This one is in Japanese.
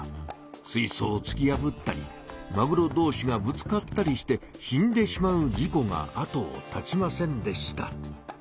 水そうをつきやぶったりマグロどうしがぶつかったりして死んでしまう事こがあとをたちませんでした。